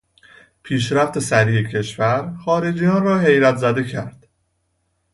پیشرفت سریع کشور، خارجیان را حیرت زده کرد.